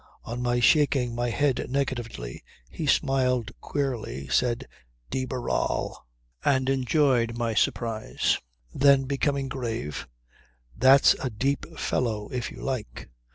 On my shaking my head negatively he smiled queerly, said "De Barral," and enjoyed my surprise. Then becoming grave: "That's a deep fellow, if you like.